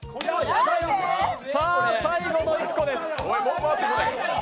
さあ、最後の１個です。